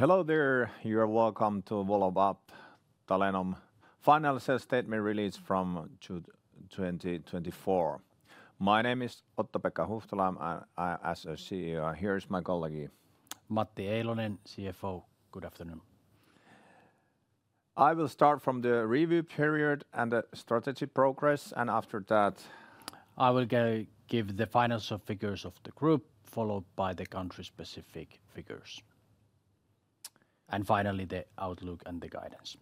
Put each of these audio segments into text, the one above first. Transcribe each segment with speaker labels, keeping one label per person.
Speaker 1: Hello there. Welcome to Talenom Financial Statement Release from 2024. My name is Otto-Pekka Huhtala, and as a CEO, here is my colleague.
Speaker 2: Matti Eilonen, CFO. Good afternoon.
Speaker 1: I will start from the review period and the strategy progress, and after that.
Speaker 2: I will give the financial figures of the group, followed by the country-specific figures. And finally, the outlook and the guidance.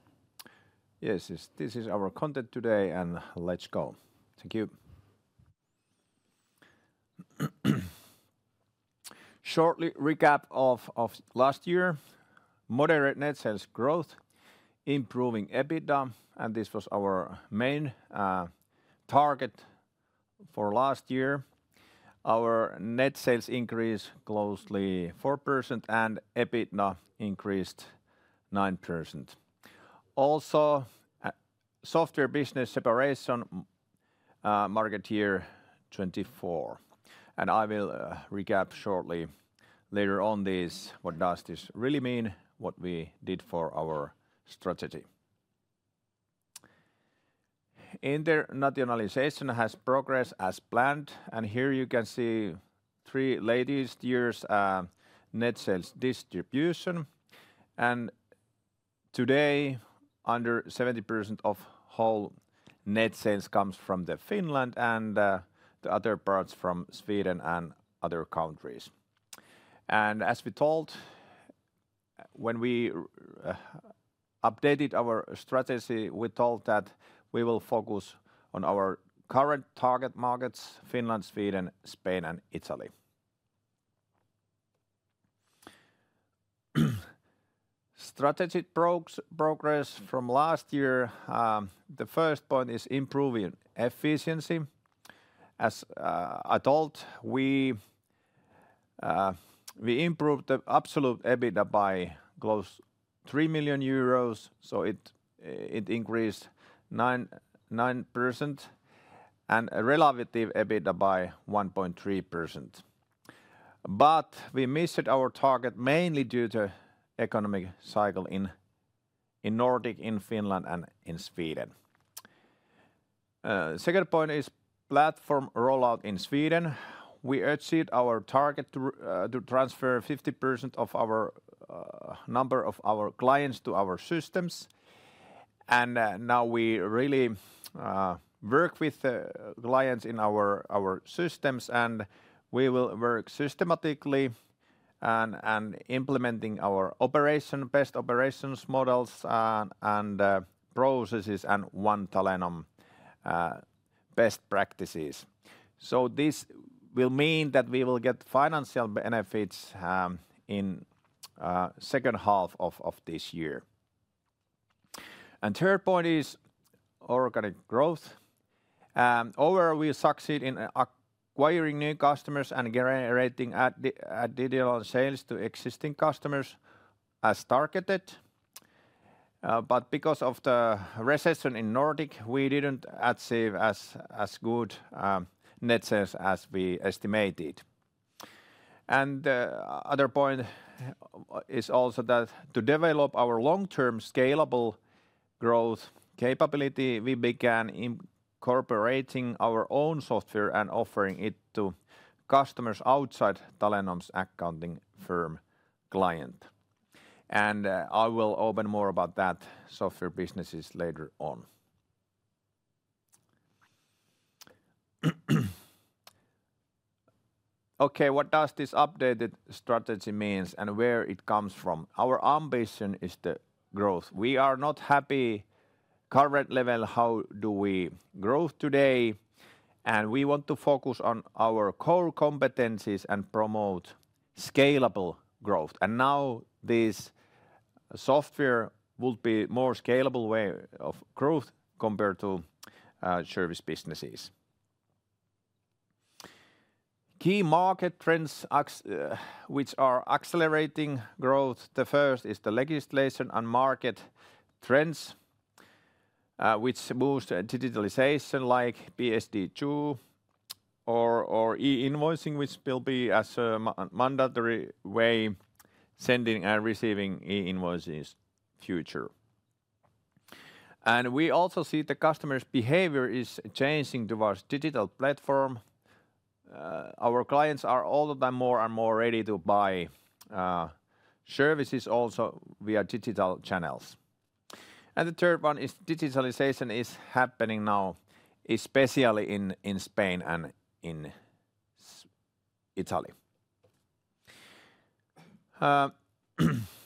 Speaker 1: Yes, this is our content today, and let's go. Thank you. Short recap of last year. Moderate net sales growth, improving EBITDA, and this was our main target for last year. Our net sales increased close to 4%, and EBITDA increased 9%. Also, software business separation marked 2024. I will recap shortly later on this, what does this really mean, what we did for our strategy. Internationalization has progressed as planned, and here you can see three latest years' net sales distribution. Today, under 70% of whole net sales comes from Finland, and the other parts from Sweden and other countries. As we told, when we updated our strategy, we told that we will focus on our current target markets: Finland, Sweden, Spain, and Italy. Strategy progress from last year. The first point is improving efficiency. As I told, we improved the absolute EBITDA by close to 3 million euros, so it increased 9%, and relative EBITDA by 1.3%. But we missed our target mainly due to the economic cycle in the Nordics, in Finland, and in Sweden. The second point is platform rollout in Sweden. We achieved our target to transfer 50% of the number of our clients to our systems. And now we really work with the clients in our systems, and we will work systematically on implementing our best operations models and processes and One Talenom best practices. So this will mean that we will get financial benefits in the second half of this year. And the third point is organic growth. Overall, we succeed in acquiring new customers and generating additional sales to existing customers as targeted. But because of the recession in the Nordics, we didn't achieve as good net sales as we estimated. And the other point is also that to develop our long-term scalable growth capability, we began incorporating our own software and offering it to customers outside Talenom's accounting firm client. And I will open more about that software businesses later on. Okay, what does this updated strategy mean and where it comes from? Our ambition is the growth. We are not happy at the current level of how do we grow today, and we want to focus on our core competencies and promote scalable growth. And now this software would be a more scalable way of growth compared to service businesses. Key market trends which are accelerating growth. The first is the legislation and market trends which boost digitalization like PSD2 or e-invoicing, which will be a mandatory way of sending and receiving e-invoices in the future. And we also see the customers' behavior is changing towards the digital platform. Our clients are all the time more and more ready to buy services also via digital channels. And the third one is digitalization is happening now, especially in Spain and in Italy. The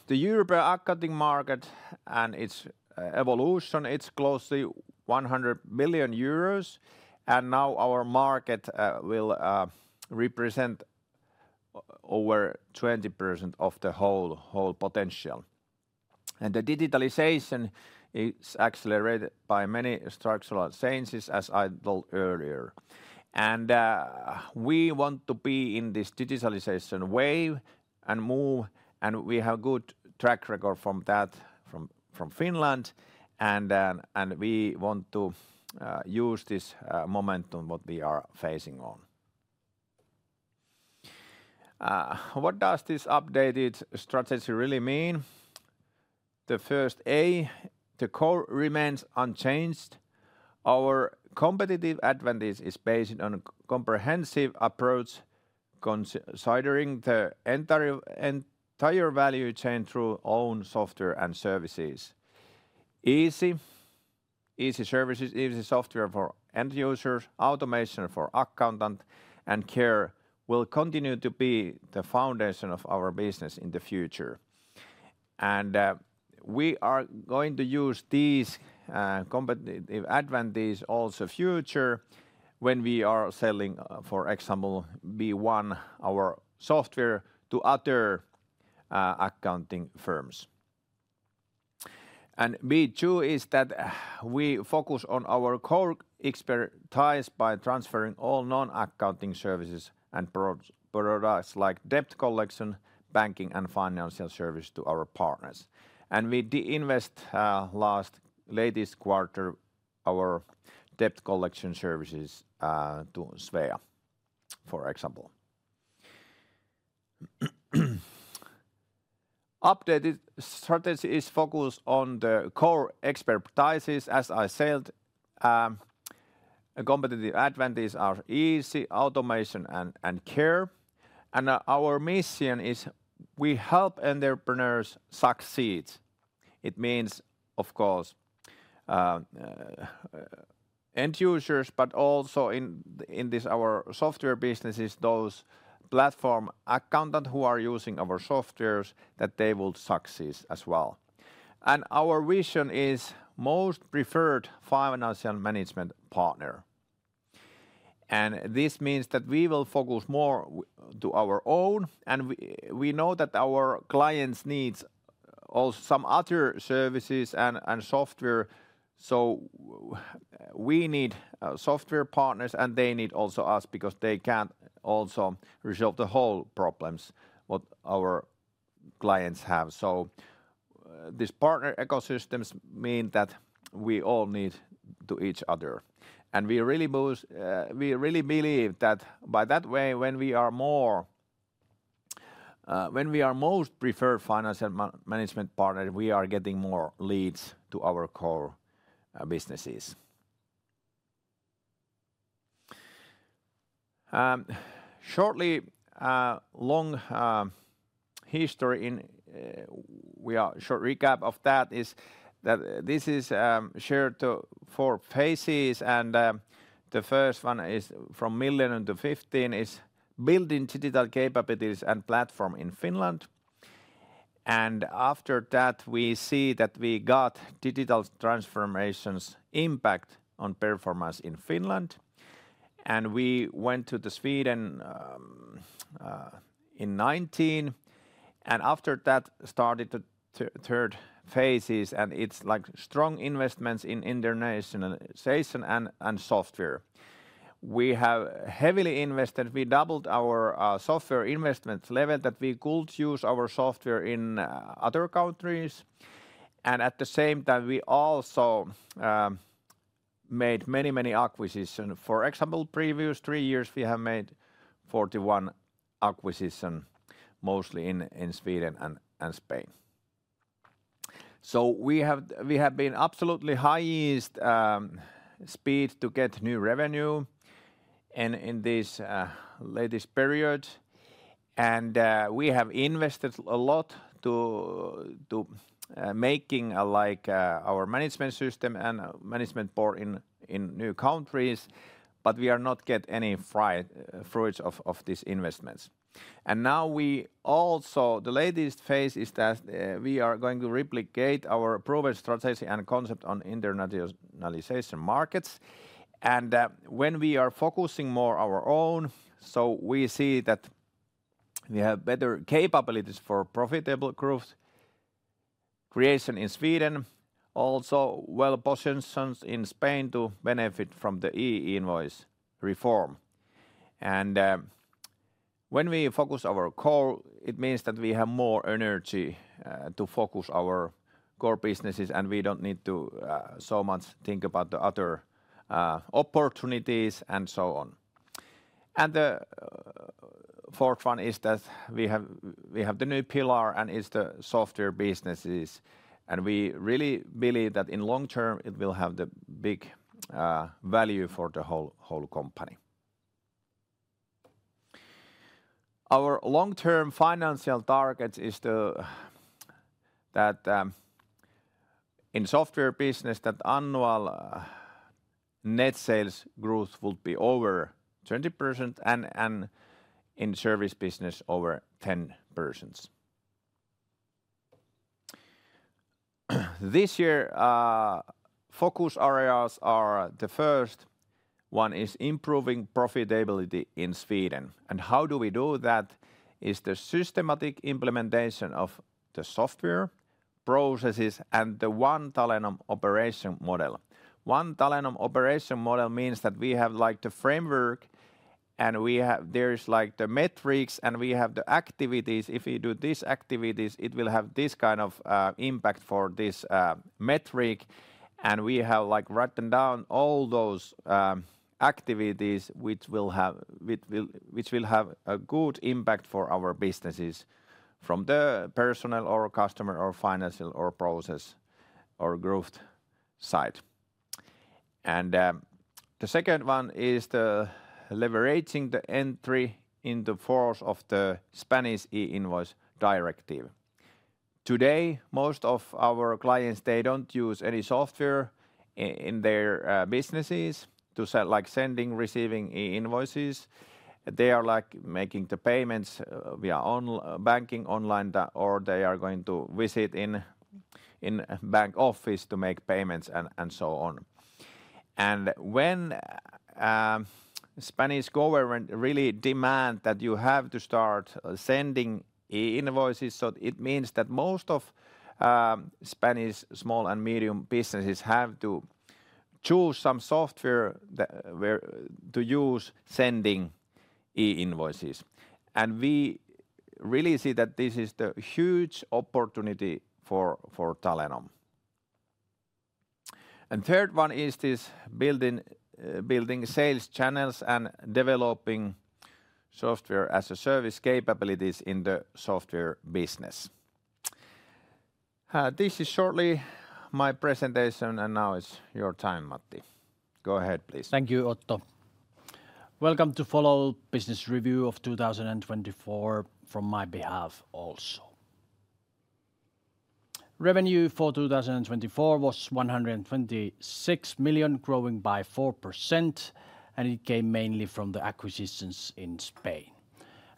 Speaker 1: European accounting market and its evolution, it's close to 100 million euros, and now our market will represent over 20% of the whole potential. And the digitalization is accelerated by many structural changes, as I told earlier. And we want to be in this digitalization wave and move, and we have a good track record from that from Finland, and we want to use this momentum what we are facing on. What does this updated strategy really mean? The first A, the core remains unchanged. Our competitive advantage is based on a comprehensive approach considering the entire value chain through own software and services. Easy, easy services, easy software for end users, automation for accountants, and care will continue to be the foundation of our business in the future. We are going to use these competitive advantages also in the future when we are selling, for example, B1, our software to other accounting firms. B2 is that we focus on our core expertise by transferring all non-accounting services and products like debt collection, banking, and financial services to our partners. We divested in the latest quarter our debt collection services to Svea, for example. Updated strategy is focused on the core expertise, as I said. Competitive advantages are easy, automation, and care. Our mission is we help entrepreneurs succeed. It means, of course, end users, but also in our software businesses, those platform accountants who are using our software, that they will succeed as well. Our vision is most preferred financial management partner. This means that we will focus more on our own, and we know that our clients need also some other services and software, so we need software partners, and they need also us because they can't also resolve the whole problems what our clients have. These partner ecosystems mean that we all need each other. We really believe that by that way, when we are most preferred financial management partners, we are getting more leads to our core businesses. Shortly, long history in we are short recap of that is that this is shared to four phases, and the first one is from 2011 to 2015 is building digital capabilities and platform in Finland. And after that, we see that we got digital transformations impact on performance in Finland, and we went to Sweden in 2019, and after that started the third phases, and it's like strong investments in internationalization and software. We have heavily invested, we doubled our software investment level that we could use our software in other countries, and at the same time, we also made many, many acquisitions. For example, previous three years, we have made 41 acquisitions, mostly in Sweden and Spain. We have been absolutely high-speed to get new revenue in this latest period, and we have invested a lot to making, like, our management system and management Board in new countries, but we are not getting any fruits of these investments. Now we also, the latest phase is that we are going to replicate our proven strategy and concept in international markets, and when we are focusing more on our own, so we see that we have better capabilities for profitable growth creation in Sweden, also well positioned in Spain to benefit from the e-invoice reform. When we focus on our core, it means that we have more energy to focus our core businesses, and we don't need to so much think about the other opportunities and so on. The fourth one is that we have the new pillar, and it's the software businesses, and we really believe that in long term it will have the big value for the whole company. Our long-term financial target is that in software business, that annual net sales growth would be over 20%, and in service business over 10%. This year, focus areas are the first one is improving profitability in Sweden, and how do we do that is the systematic implementation of the software processes and the One Talenom operating model. One Talenom operating model means that we have like the framework, and there is like the metrics, and we have the activities. If we do these activities, it will have this kind of impact for this metric, and we have like written down all those activities which will have a good impact for our businesses from the personal or customer or financial or process or growth side, and the second one is the leveraging the entry into force of the Spanish e-invoice directive. Today, most of our clients, they don't use any software in their businesses to like sending, receiving e-invoices. They are like making the payments via banking online, or they are going to visit in a bank office to make payments and so on, and when Spanish government really demand that you have to start sending e-invoices, so it means that most of Spanish small and medium businesses have to choose some software to use sending e-invoices, and we really see that this is the huge opportunity for Talenom. The third one is this building sales channels and developing Software as a Service capabilities in the software business. This is shortly my presentation, and now it's your time, Matti. Go ahead, please.
Speaker 2: Thank you, Otto. Welcome to follow-up business review of 2024 from my behalf also. Revenue for 2024 was 126 million, growing by 4%, and it came mainly from the acquisitions in Spain.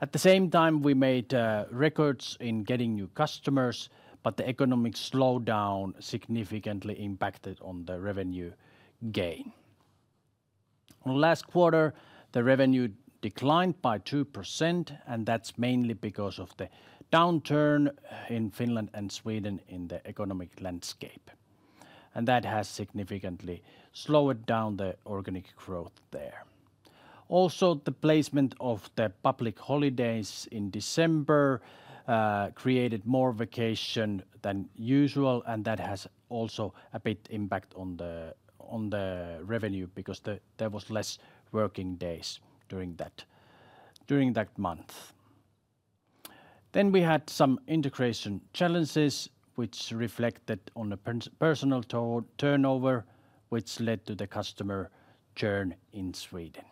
Speaker 2: At the same time, we made records in getting new customers, but the economic slowdown significantly impacted on the revenue gain. Last quarter, the revenue declined by 2%, and that's mainly because of the downturn in Finland and Sweden in the economic landscape. That has significantly slowed down the organic growth there. Also, the placement of the public holidays in December created more vacation than usual, and that has also a big impact on the revenue because there was less working days during that month. Then we had some integration challenges, which reflected on the personnel turnover, which led to the customer churn in Sweden.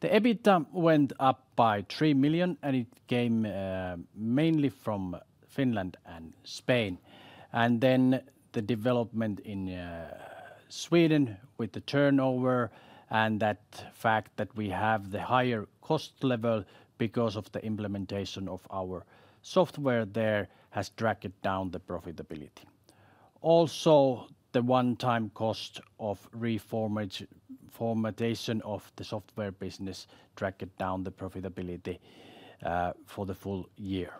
Speaker 2: The EBITDA went up by 3 million, and it came mainly from Finland and Spain. And then the development in Sweden with the turnover and the fact that we have the higher cost level because of the implementation of our software there has dragged down the profitability. Also, the one-time cost of reformation of the software business dragged down the profitability for the full year.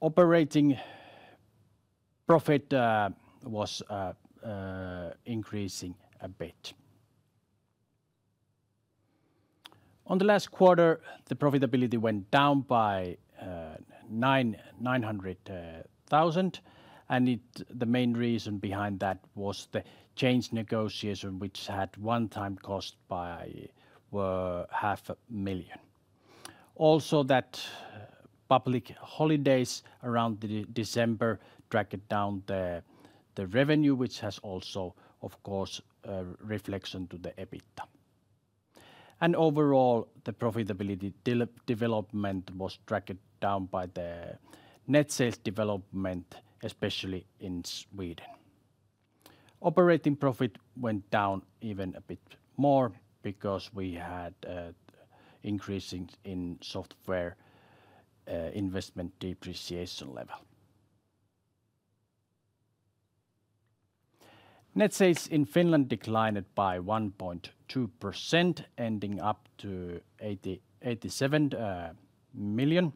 Speaker 2: Operating profit was increasing a bit. On the last quarter, the profitability went down by 900,000, and the main reason behind that was the change negotiation, which had one-time cost of 500,000. Also, those public holidays around December dragged down the revenue, which has also, of course, a reflection on the EBITDA, and overall, the profitability development was dragged down by the net sales development, especially in Sweden. Operating profit went down even a bit more because we had an increase in software investment depreciation level. Net sales in Finland declined by 1.2%, ending up at 87 million.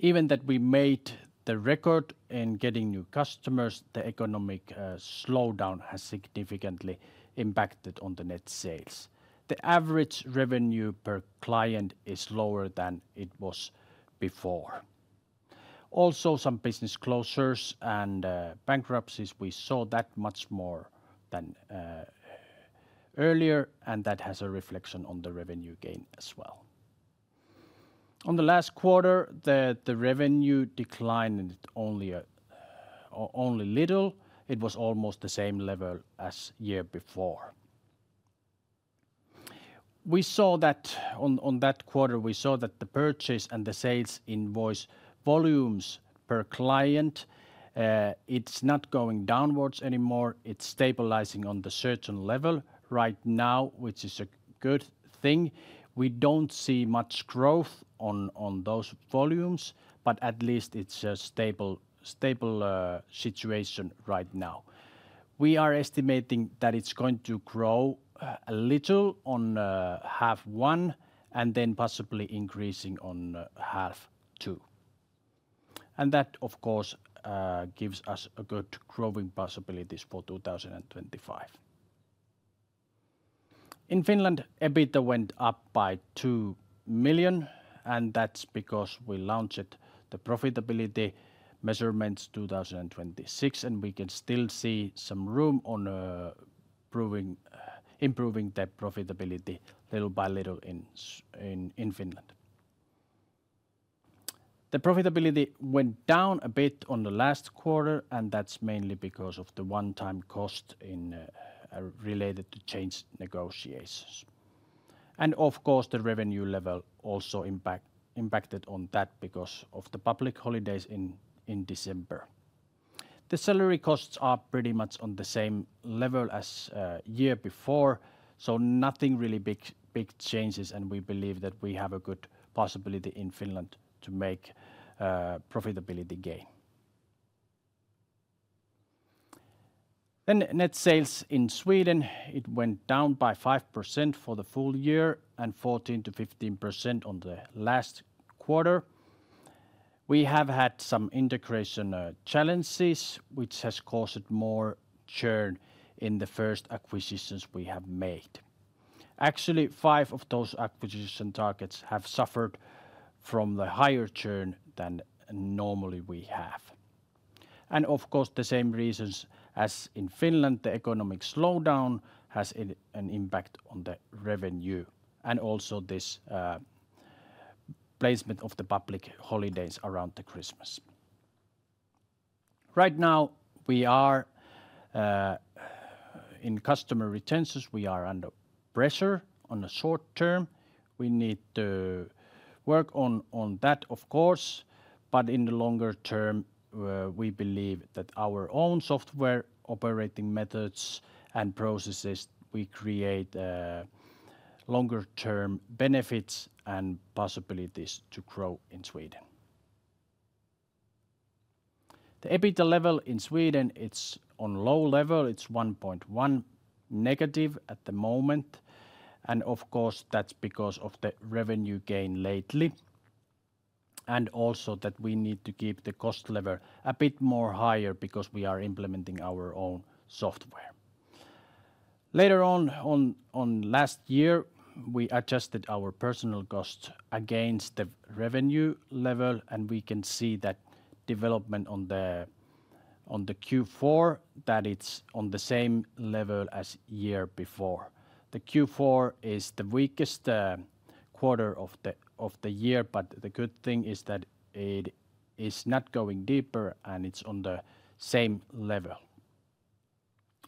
Speaker 2: Even though we made the record in getting new customers, the economic slowdown has significantly impacted the net sales. The average revenue per client is lower than it was before. Also, some business closures and bankruptcies we saw that much more than earlier, and that has a reflection on the revenue as well. On the last quarter, the revenue declined only little. It was almost the same level as the year before. We saw that on that quarter, we saw that the purchase and the sales invoice volumes per client, it's not going downwards anymore. It's stabilizing on the certain level right now, which is a good thing. We don't see much growth on those volumes, but at least it's a stable situation right now. We are estimating that it's going to grow a little on half one and then possibly increasing on half two. That, of course, gives us good growing possibilities for 2025. In Finland, EBITDA went up by 2 million, and that's because we launched the profitability measurements 2026, and we can still see some room on improving the profitability little by little in Finland. The profitability went down a bit on the last quarter, and that's mainly because of the one-time cost related to change negotiations. And of course, the revenue level also impacted on that because of the public holidays in December. The salary costs are pretty much on the same level as the year before, so nothing really big changes, and we believe that we have a good possibility in Finland to make profitability gain. Then net sales in Sweden, it went down by 5% for the full year and 14%-15% on the last quarter. We have had some integration challenges, which has caused more churn in the first acquisitions we have made. Actually, five of those acquisition targets have suffered from the higher churn than normally we have. Of course, the same reasons as in Finland. The economic slowdown has an impact on the revenue, and also this placement of the public holidays around Christmas. Right now, we are in customer retentions. We are under pressure on the short term. We need to work on that, of course, but in the longer term, we believe that our own software operating methods and processes will create longer-term benefits and possibilities to grow in Sweden. The EBITDA level in Sweden, it's on low level. It's 1.1 negative at the moment, and of course, that's because of the revenue gain lately, and also that we need to keep the cost level a bit more higher because we are implementing our own software. Later on last year, we adjusted our personnel costs against the revenue level, and we can see that development in Q4, that it's on the same level as the year before. Q4 is the weakest quarter of the year, but the good thing is that it is not going deeper, and it's on the same level.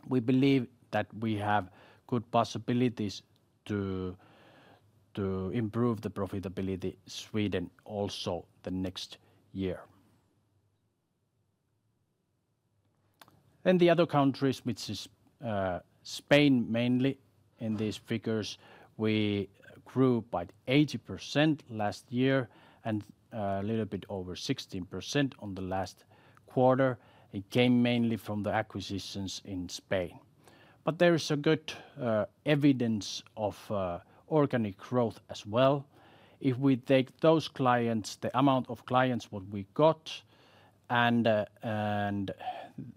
Speaker 2: We believe that we have good possibilities to improve the profitability in Sweden also next year. And the other countries, which is Spain mainly in these figures, we grew by 80% last year and a little bit over 16% in the last quarter. It came mainly from the acquisitions in Spain. But there is good evidence of organic growth as well. If we take those clients, the amount of clients what we got, and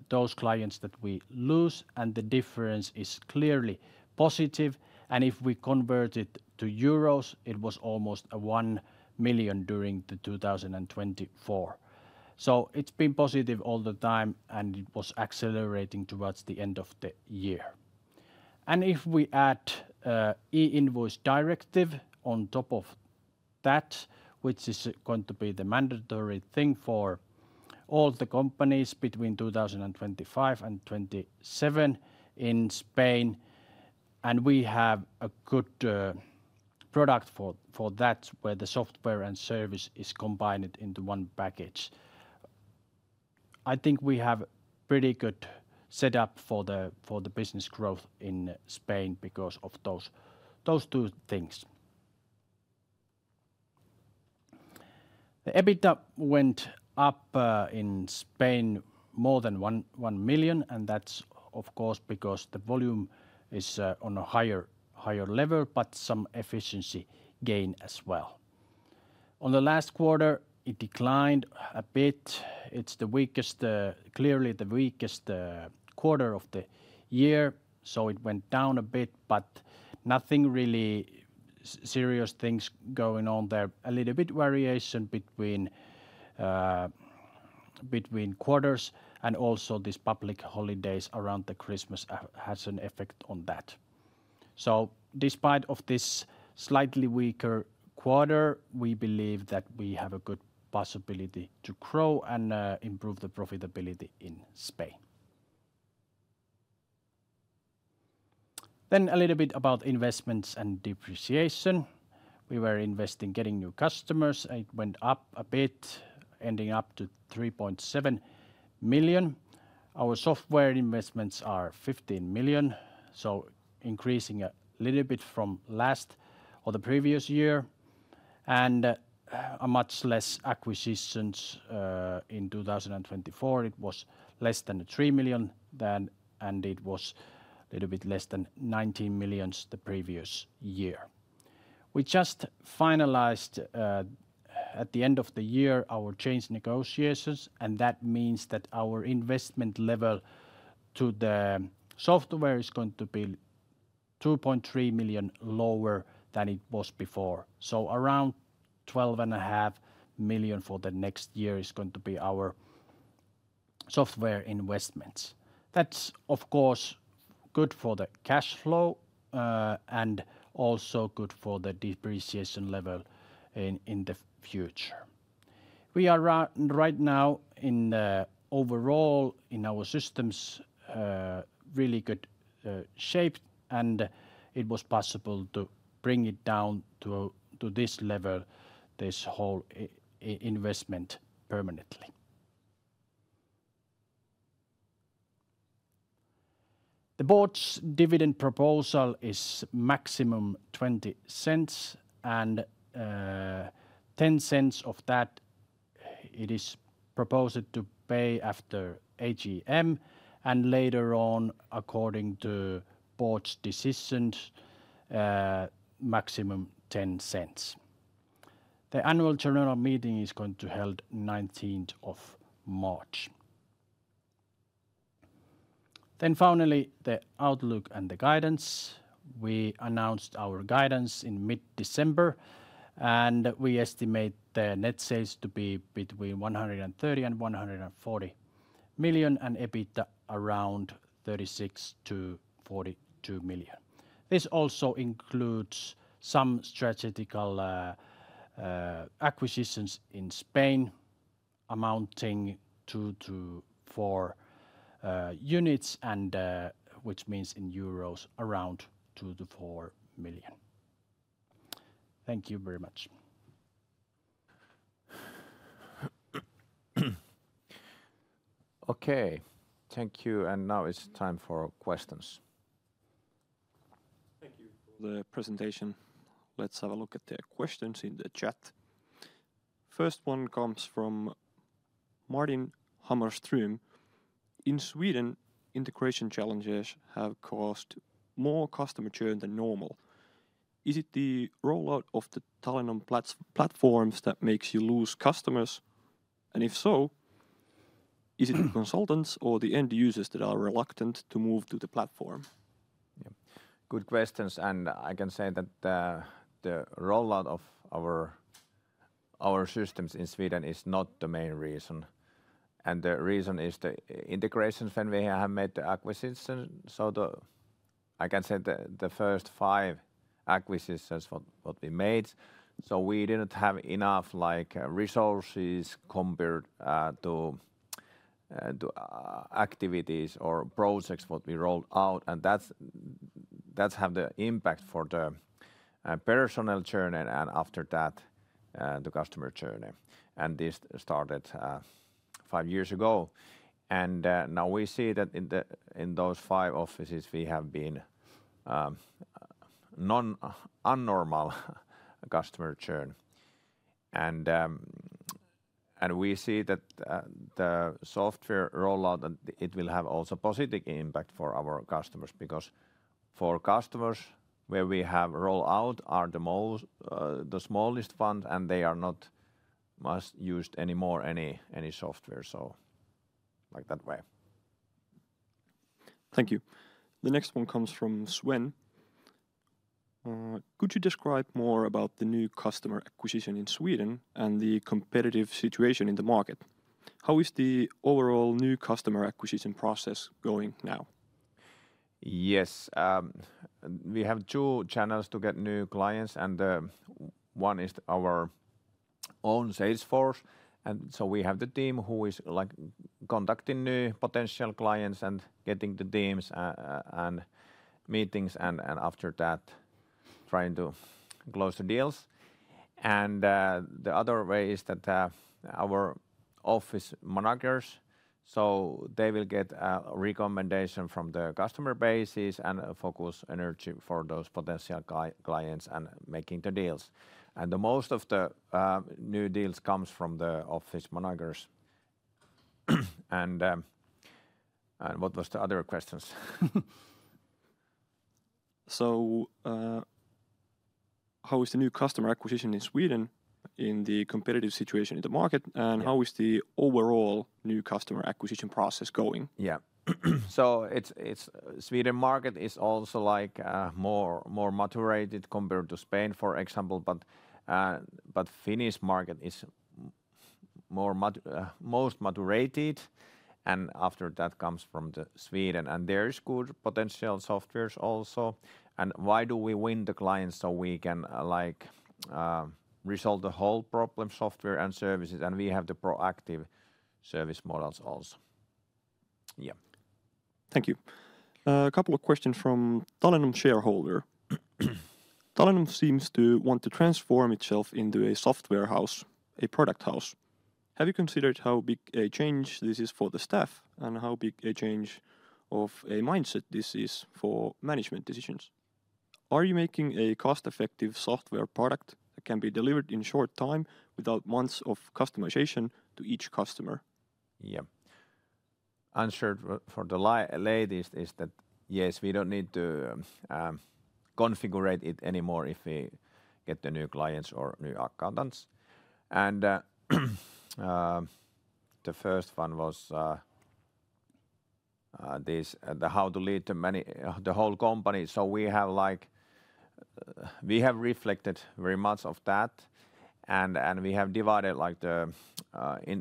Speaker 2: those clients that we lose, the difference is clearly positive. If we convert it to euros, it was almost one million during 2024. It's been positive all the time, and it was accelerating towards the end of the year. If we add e-invoice directive on top of that, which is going to be the mandatory thing for all the companies between 2025-2027 in Spain, and we have a good product for that where the software and service is combined into one package. I think we have a pretty good setup for the business growth in Spain because of those two things. The EBITDA went up in Spain more than one million, and that's of course because the volume is on a higher level, but some efficiency gain as well. On the last quarter, it declined a bit. It's clearly the weakest quarter of the year, so it went down a bit, but nothing really serious things going on there. A little bit variation between quarters and also these public holidays around Christmas has an effect on that. So despite this slightly weaker quarter, we believe that we have a good possibility to grow and improve the profitability in Spain. Then a little bit about investments and depreciation. We were investing getting new customers, and it went up a bit, ending up to 3.7 million. Our software investments are 15 million, so increasing a little bit from last or the previous year, and much less acquisitions in 2024. It was less than 3 million, and it was a little bit less than 19 million the previous year. We just finalized at the end of the year our change negotiations, and that means that our investment level to the software is going to be 2.3 million lower than it was before. So around 12.5 million for the next year is going to be our software investments. That's, of course, good for the cash flow and also good for the depreciation level in the future. We are right now overall in our systems really good shape, and it was possible to bring it down to this level, this whole investment permanently. The Board's dividend proposal is maximum 0.20, and 0.10 of that it is proposed to pay after AGM, and later on, according to Board's decisions, maximum 0.10. The annual general meeting is going to be held on the 19th of March. Then finally, the outlook and the guidance. We announced our guidance in mid-December, and we estimate the net sales to be between 130 million and 140 million, and EBITDA around 36 million-42 million. This also includes some strategic acquisitions in Spain amounting to 2 to 4 units, which means in euros around 2 million-4 million. Thank you very much.
Speaker 1: Okay, thank you, and now it's time for questions.
Speaker 3: Thank you for the presentation. Let's have a look at the questions in the chat. First one comes from Martin Hammarström. In Sweden, integration challenges have caused more customer churn than normal. Is it the rollout of the Talenom platforms that makes you lose customers? And if so, is it the consultants or the end users that are reluctant to move to the platform?
Speaker 1: Good questions, and I can say that the rollout of our systems in Sweden is not the main reason. The reason is the integrations when we have made the acquisitions. I can say the first five acquisitions what we made. We didn't have enough resources compared to activities or projects what we rolled out, and that's had the impact for the personnel churn and after that the customer churn. This started five years ago. Now we see that in those five offices we have been non-normal customer churn. We see that the software rollout, it will have also a positive impact for our customers because for customers where we have rollout are the smallest ones, and they are not much used anymore, any software, so like that way.
Speaker 3: Thank you. The next one comes from Sven. Could you describe more about the new customer acquisition in Sweden and the competitive situation in the market? How is the overall new customer acquisition process going now?
Speaker 1: Yes, we have two channels to get new clients, and one is our own sales force. And so we have the team who is contacting new potential clients and getting the time and meetings, and after that trying to close the deals. And the other way is that our office managers, so they will get a recommendation from the customer base and focus energy for those potential clients and making the deals. And most of the new deals come from the office managers. And what was the other questions?
Speaker 3: So how is the new customer acquisition in Sweden in the competitive situation in the market, and how is the overall new customer acquisition process going?
Speaker 1: Yeah, so the Sweden market is also more mature compared to Spain, for example, but the Finnish market is most mature, and after that comes from Sweden, and there is good potential software also. And why do we win the clients so we can resolve the whole problem software and services, and we have the proactive service models also. Yeah.
Speaker 3: Thank you. A couple of questions from Talenom shareholder. Talenom seems to want to transform itself into a software house, a product house. Have you considered how big a change this is for the staff and how big a change of a mindset this is for management decisions? Are you making a cost-effective software product that can be delivered in short time without months of customization to each customer?
Speaker 1: Yeah. Answer for the latter is that yes, we don't need to configure it anymore if we get the new clients or new accountants, and the first one was this, the how to lead the whole company, so we have reflected very much on that, and we have divided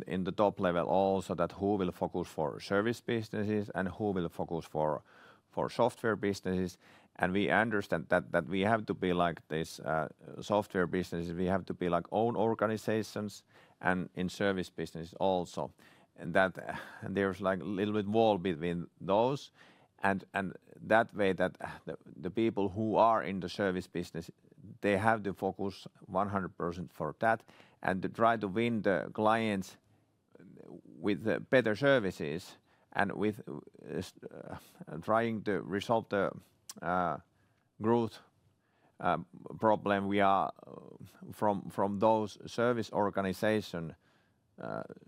Speaker 1: in the top level also that who will focus for service businesses and who will focus for software businesses, and we understand that we have to be like these software businesses, we have to be like own organizations and in service businesses also, and there's a little bit of wall between those, and that way that the people who are in the service business, they have to focus 100% for that and try to win the clients with better services and with trying to resolve the growth problem we are from those service organization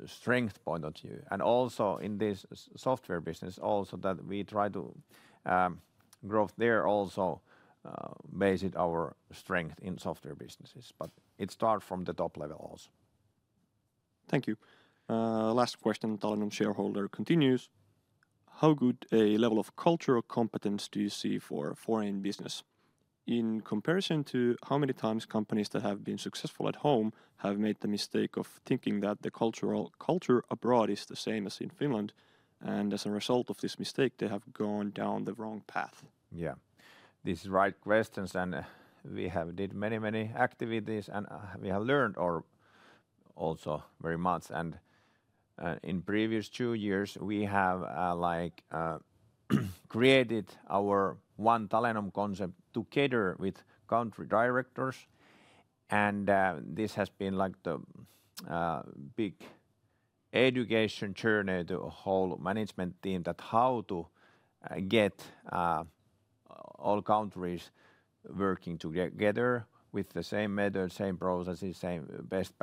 Speaker 1: strength point of view. And also in this software business also that we try to grow there also based our strength in software businesses, but it starts from the top level also.
Speaker 3: Thank you. Last question, Talenom shareholder continues. How good a level of cultural competence do you see for foreign business in comparison to how many times companies that have been successful at home have made the mistake of thinking that the cultural culture abroad is the same as in Finland, and as a result of this mistake, they have gone down the wrong path?
Speaker 1: Yeah, this is right questions, and we have did many, many activities, and we have learned also very much. In the previous two years, we have created our One Talenom concept together with country directors, and this has been like the big education journey to a whole management team that how to get all countries working together with the same method, same processes, same best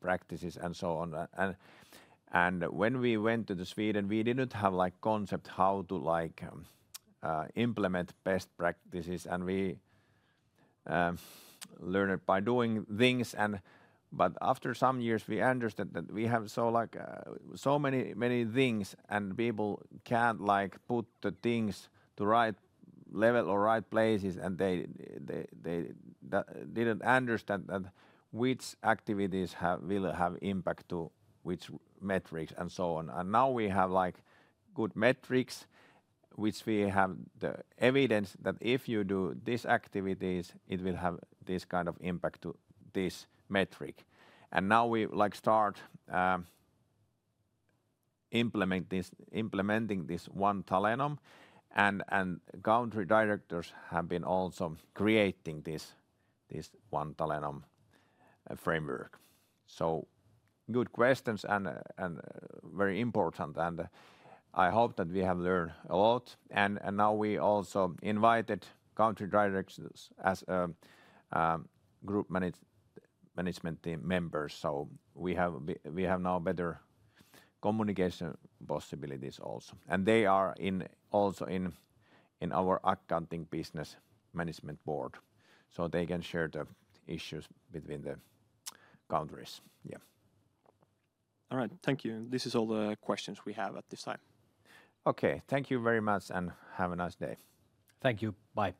Speaker 1: practices, and so on. When we went to Sweden, we didn't have a concept how to implement best practices, and we learned by doing things. But after some years, we understood that we have so many things, and people can't put the things to right level or right places, and they didn't understand which activities will have impact to which metrics and so on. Now we have good metrics, which we have the evidence that if you do these activities, it will have this kind of impact to this metric. Now we start implementing this One Talenom, and country directors have been also creating this One Talenom framework. Good questions and very important, and I hope that we have learned a lot. Now we also invited country directors as group management team members, so we have now better communication possibilities also. They are also in our accounting business management Board, so they can share the issues between the countries.
Speaker 3: Yeah. All right, thank you. This is all the questions we have at this time.
Speaker 1: Okay, thank you very much, and have a nice day.
Speaker 2: Thank you, bye.